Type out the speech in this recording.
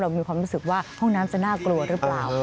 มีความรู้สึกว่าห้องน้ำจะน่ากลัวหรือเปล่า